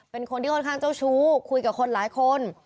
เป็นคนที่ค่อนข้างเจ้าชู้คุยกับคนหลายคน